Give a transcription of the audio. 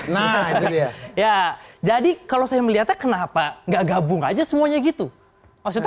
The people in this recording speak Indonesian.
nah ya jadi kalau saya melihatnya kenapa nggak gabung aja semuanya gitu maksudnya